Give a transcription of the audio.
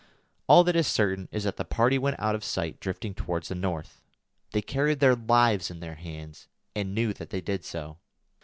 All that is certain is that the party went out of sight drifting towards the north. They carried their lives in their hands, and knew that they did so.